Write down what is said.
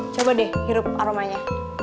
coba deh hirup aromanya